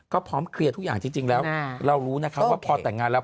ก็พร้อมเคลียร์ทุกอย่างจริงแล้วเรารู้นะคะว่าพอแต่งงานแล้ว